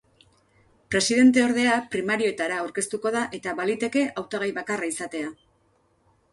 Presidenteordea primarioetara aurkeztuko da eta baliteke hautagai bakarra izatea.